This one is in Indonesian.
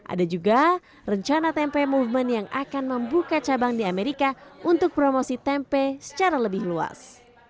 ada juga rencana tempe movement yang akan membuka cabang di amerika untuk promosi tempe secara lebih luas